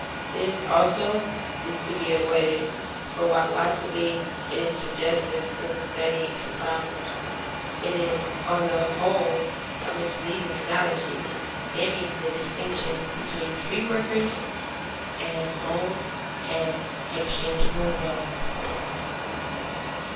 This, also, is to be avoided, for while possibly it is suggestive in studying some problems, it is on the whole a misleading analogy, dimming the distinction between free workers and owned and exchangeable wealth.